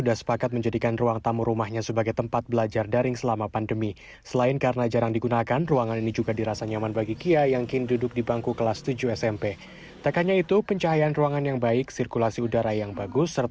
hai selamat berjaya